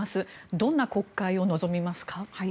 どんな国会を望みますか？